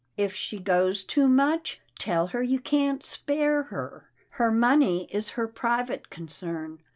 If she goes too much, tell her you can't spare her. Her money is her private concern.